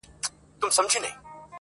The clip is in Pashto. نن د پنجابي او منظور جان حماسه ولیکه-